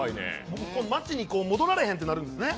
街に戻られへんってなるんですね。